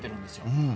うん。